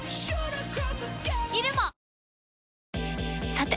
さて！